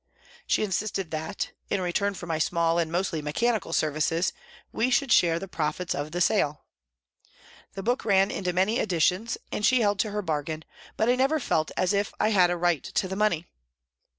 She insisted that, in return for my small and mostly mechanical services, we should share the profits of the sale. The book ran into many editions, and she held to her bargain, but I never felt as if I had a right to the money.